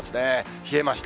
冷えました。